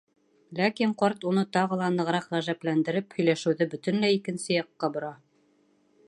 Ләкин ҡарт, уны тағы ла нығыраҡ ғәжәпләндереп, һөйләшеүҙе бөтөнләй икенсе яҡҡа бора.